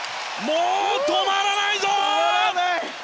もう止まらないぞ！